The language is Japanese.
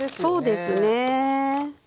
そうですね。